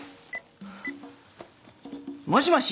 もしもし。